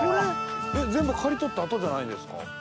全部刈り取った後じゃないんですか？